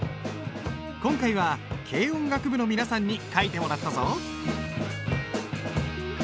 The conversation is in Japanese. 今回は軽音楽部の皆さんに書いてもらったぞ。